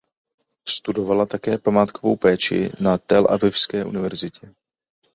Studovala také památkovou péči na Telavivské univerzitě.